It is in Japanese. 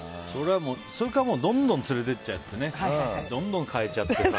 それかどんどん連れていっちゃってどんどん変えちゃって。